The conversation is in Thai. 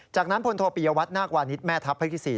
จากนั้นพลโทปิยวัตนาควานิสแม่ทัพภาคที่๔